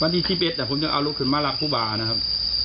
วันที่๑๗ผมก็เอารถขึ้นมารับคู่บานะครับ